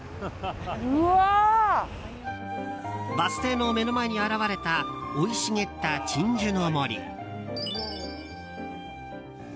バス停の目の前に現れた生い茂った鎮守の森。